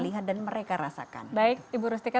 lihat dan mereka rasakan baik ibu rustika